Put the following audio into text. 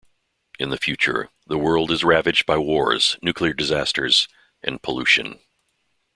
In the future, the world is ravaged by wars, nuclear disasters and pollution.